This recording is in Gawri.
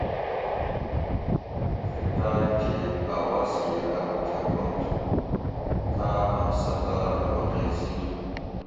شیٹآئ تھی اواز کیر ارو تھہ کوم تھو؟ څاۤکاں سردار ارو مہ غیزی تھو